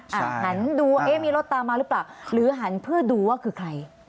หันดูว่าเอ๊ะมีรถตามมาหรือเปล่าหรือหันเพื่อดูว่าคือใคร